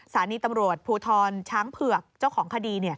สถานีตำรวจภูทรช้างเผือกเจ้าของคดี